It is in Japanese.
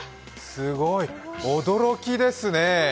すごい、驚きですね。